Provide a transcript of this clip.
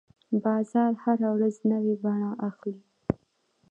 بازار هره ورځ نوې بڼه اخلي.